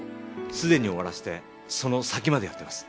すでに終わらせてその先までやってます。